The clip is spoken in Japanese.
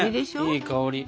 いい香り！